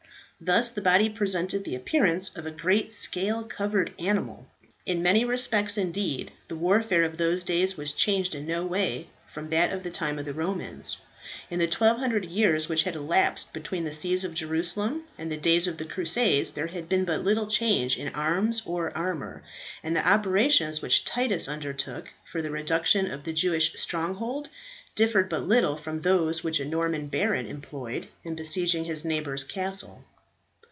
Thus the body presented the appearance of a great scale covered animal. In many respects, indeed, the warfare of those days was changed in no way from that of the time of the Romans. In the 1200 years which had elapsed between the siege of Jerusalem and the days of the crusades there had been but little change in arms or armour, and the operations which Titus undertook for the reduction of the Jewish stronghold differed but little from those which a Norman baron employed in besieging his neighbour's castle.